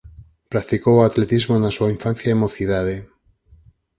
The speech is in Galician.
Practicou o atletismo na súa infancia e mocidade.